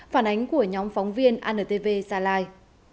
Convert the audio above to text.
phản ánh của nhóm phóng viên antv gia lai